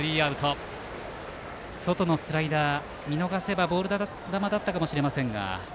今の外のスライダーは見逃せばボール球だったかもしれませんが。